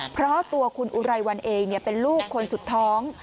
เพราะตัวคุณอุไรวันเองเป็นลูกคนสุดท้อง